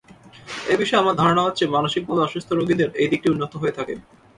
এই বিষয়ে আমার ধারণা হচ্ছে, মানসিকভাবে অসুস্থ রুগীদের এই দিকটি উন্নত হয়ে থাকে।